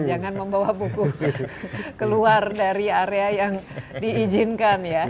jangan membawa buku keluar dari area yang diizinkan ya